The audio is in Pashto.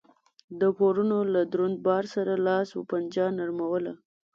د پورونو له دروند بار سره لاس و پنجه نرموله